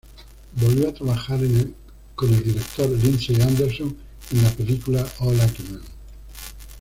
Volvió a trabajar con el director Lindsay Anderson en la película "O Lucky Man!